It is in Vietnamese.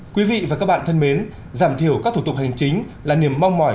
quý vị và các bạn thân mến giảm thiểu các thủ tục hành chính là niềm mong mỏi